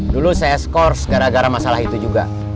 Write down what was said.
dulu saya skors gara gara masalah itu juga